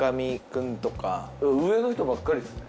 上の人ばっかりっすね。